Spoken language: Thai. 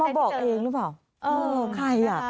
มาบอกเองหรือเปล่าใครอ่ะ